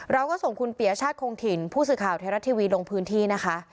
เราก็ส่งคุณปียชาติคงถิ่นผู้สื่อข่าวไทยรัฐทีวีลงพื้นที่นะคะ